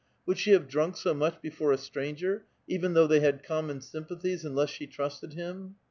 Would she have dmnk so much before a stranger, even though they had com mon sympathies^ unless she trusted him